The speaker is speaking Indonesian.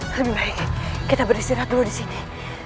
lebih baik kita beristirahat dulu di sini